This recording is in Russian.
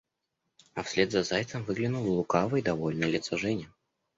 А вслед за зайцем выглянуло лукавое и довольное лицо Жени.